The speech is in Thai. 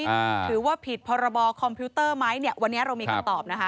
ถือว่าผิดพรบคอมพิวเตอร์ไหมเนี่ยวันนี้เรามีคำตอบนะคะ